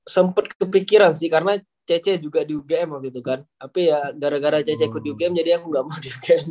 sempat kepikiran sih karena cece juga di ugm waktu itu kan tapi ya gara gara cece ikut di ugm jadi aku nggak mau di